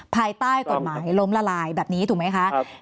ภายใต้กฎหมายล้มละลายแบบนี้ถูกไหมคะ